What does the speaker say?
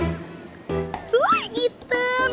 itu yang hitam